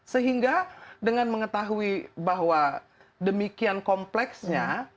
sehingga dengan mengetahui bahwa demikian kompleksnya